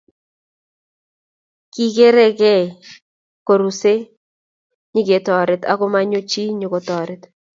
kikerei kei ko kursei nyeketoret ako manyo chi nyokotoret